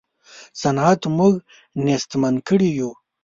صنعت موږ نېستمن کړي یو.